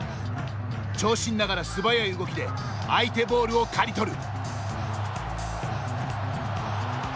長身ながら素早い動きで相手ボールを刈り取る。